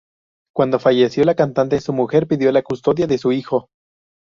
Cuando falleció la cantante, su mujer pidió la custodia de su hijo.